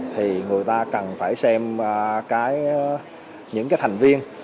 thì người ta cần phải xem những thành viên